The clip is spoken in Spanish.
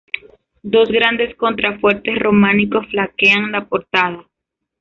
Dos grandes contrafuertes románicos flanquean la portada.